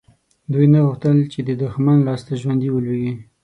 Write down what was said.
دوی نه غوښتل چې د دښمن لاسته ژوندي ولویږي.